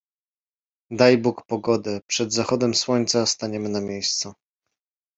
Daj Bóg pogodę, przed zachodem słońca staniemy na miejscu.